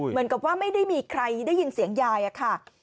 เหมือนกับว่าไม่ได้มีใครได้ยินเสียงยายอะค่ะ